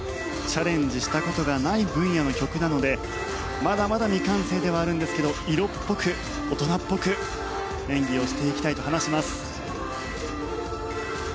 チャレンジしたことがない分野の曲なのでまだまだ未完成ではあるんですけど色っぽく大人っぽく演技をしていきたいと話します。